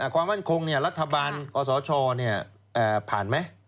ความมั่นคงเนี่ยรัฐบาลคอสชเนี่ยผ่านไหม